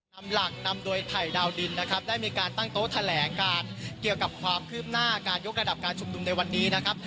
นำหลักนำโดยไผ่ดาวดินนะครับได้มีการตั้งโต๊ะแถลงการเกี่ยวกับความคืบหน้าการยกระดับการชุมนุมในวันนี้นะครับ